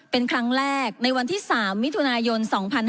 เป็นครั้งแรกในวันที่๓มิถุนายน๒๕๕๙